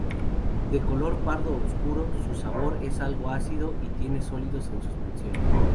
De color pardo oscuro, su sabor es algo ácido y tiene sólidos en suspensión.